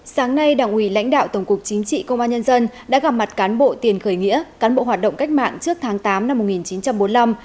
sáng nay đảng ủy lãnh đạo tổng cục chính trị công an nhân dân đã gặp mặt cán bộ tiền khởi nghĩa cán bộ hoạt động cách mạng trước tháng tám năm một nghìn chín trăm bốn mươi năm